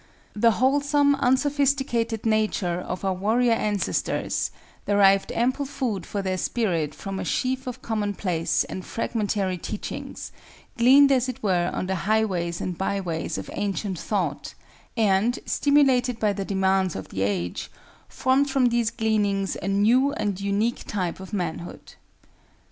The wholesome, unsophisticated nature of our warrior ancestors derived ample food for their spirit from a sheaf of commonplace and fragmentary teachings, gleaned as it were on the highways and byways of ancient thought, and, stimulated by the demands of the age, formed from these gleanings anew and unique type of manhood.